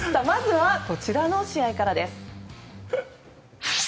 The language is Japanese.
まずはこちらの試合からです。